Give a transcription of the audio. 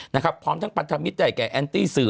นะครับพร้อมทั้งพันธมิตรได้แก่แอนตี้สื่อ